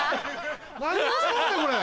何しとんねんこれ。